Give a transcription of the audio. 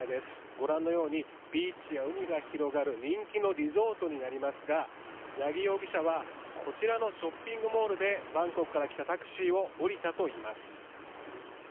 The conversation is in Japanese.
ご覧のようにビーチや海が広がる人気のリゾートになりますが八木容疑者はこちらのショッピングモールでバンコクからきたタクシーを降りたといいます。